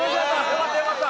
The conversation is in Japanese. よかったよかった。